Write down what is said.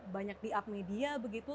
banyak di media